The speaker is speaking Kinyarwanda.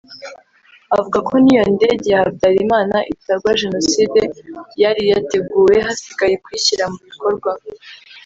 avuga ko n’iyo indege ya Habyarimana itagwa Jenoside yari yateguwe hasigaye kuyishyira mu bikorwa